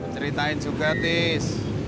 ceritain juga tis